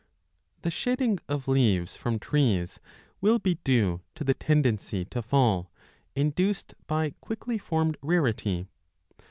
THE shedding of leaves from trees will be due to the 9 tendency to fall, induced by quickly formed rarity.